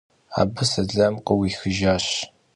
Abı selam khuixıjjaş.